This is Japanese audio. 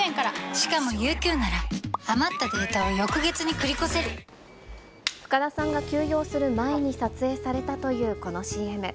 しかもＵＱなら、余ったデー深田さんが休養する前に撮影されたというこのＣＭ。